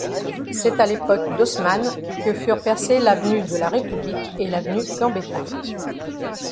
C’est à l’époque d’Haussmann que furent percées l’avenue de la République et l’avenue Gambetta.